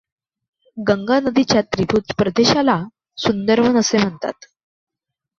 गंगा नदीच्या त्रिभुज प्रदेशाला सुंदरवन असे म्हणतात.